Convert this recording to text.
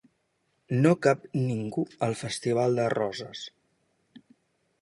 No cap ningú al festival de Roses.